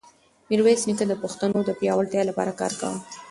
میرویس نیکه د پښتنو د پیاوړتیا لپاره کار کاوه.